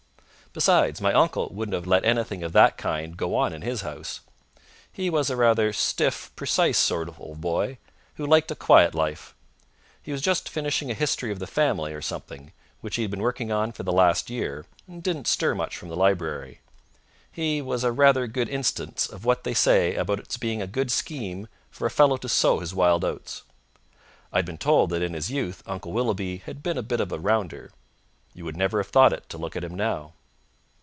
Besides, my uncle wouldn't have let anything of that kind go on in his house. He was a rather stiff, precise sort of old boy, who liked a quiet life. He was just finishing a history of the family or something, which he had been working on for the last year, and didn't stir much from the library. He was rather a good instance of what they say about its being a good scheme for a fellow to sow his wild oats. I'd been told that in his youth Uncle Willoughby had been a bit of a rounder. You would never have thought it to look at him now.